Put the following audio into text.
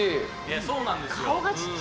そうなんですよ。